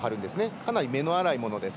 かなり目の粗いものです。